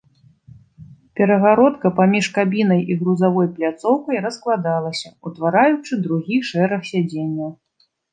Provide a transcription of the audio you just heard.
Перагародка паміж кабінай і грузавой пляцоўкай раскладалася, утвараючы другі шэраг сядзенняў.